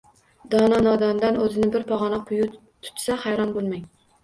Dono nodondan o’zini bir pog’ona quyi tutsa, hayron bo’lmang.